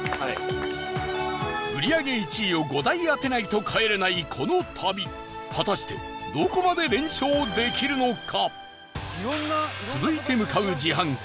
売り上げ１位を５台当てないと帰れない、この旅果たしてどこまで連勝できるのか？